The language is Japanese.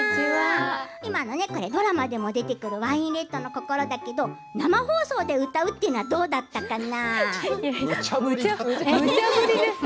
今ドラマでも出てくる「ワインレッドの心」だけど生放送で歌うというのはどうだったかな？